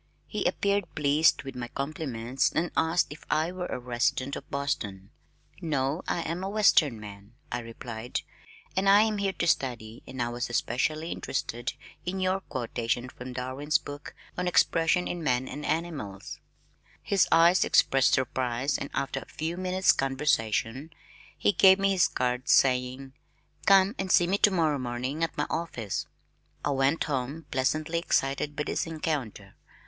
He appeared pleased with my compliments and asked if I were a resident of Boston. "No, I am a western man," I replied. "I am here to study and I was especially interested in your quotations from Darwin's book on Expression in Man and Animals." His eyes expressed surprise and after a few minutes' conversation, he gave me his card saying, "Come and see me tomorrow morning at my office." I went home pleasantly excited by this encounter.